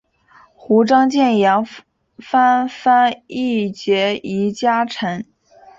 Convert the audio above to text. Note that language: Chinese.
胡璋剑杨帆潘羿捷移佳辰